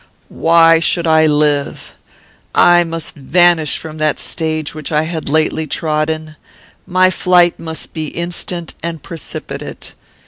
"Why should I live? I must vanish from that stage which I had lately trodden. My flight must be instant and precipitate.